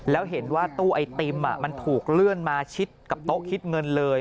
แล้วเห็นว่าตู้ไอติมมันถูกเลื่อนมาชิดกับโต๊ะคิดเงินเลย